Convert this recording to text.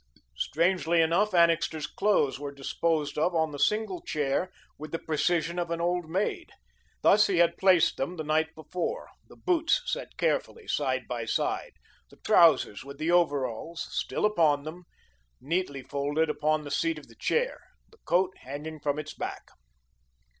Strangely enough, Annixter's clothes were disposed of on the single chair with the precision of an old maid. Thus he had placed them the night before; the boots set carefully side by side, the trousers, with the overalls still upon them, neatly folded upon the seat of the chair, the coat hanging from its back.